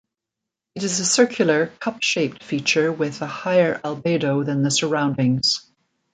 It is a circular, cup-shaped feature with a higher albedo than the surroundings.